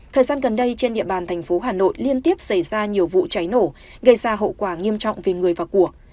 thời gian gần đây trên địa bàn thành phố hà nội liên tiếp xảy ra nhiều vụ cháy nổ gây ra hậu quả nghiêm trọng về người và của